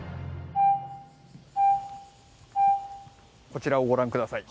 こちらをご覧ください。